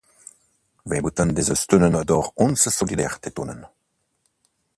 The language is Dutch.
We moeten deze steunen door ons solidair te tonen.